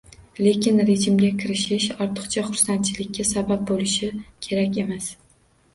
Lekin rejimga kirishish ortiqcha xursandchilikka sabab bo‘lishi kerak emas.